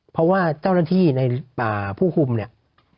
เพราะว่าเจ้าหน้าที่ในป่าผู้คุมเนี่ย